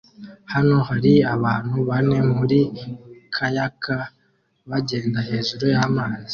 Hano hari abantu bane muri kayak bagenda hejuru y'amazi